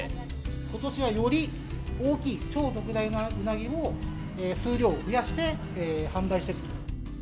ことしはより大きい超特大なうなぎを数量を増やして販売していくと。